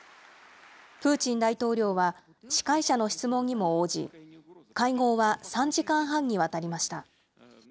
プーチン大統領は司会者の質問にも応じ、会合は３時間半にわたりました。